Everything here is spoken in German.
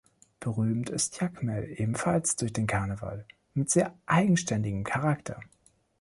Berühmt ist Jacmel ebenfalls durch den Carneval mit sehr eigenständigem Charakter.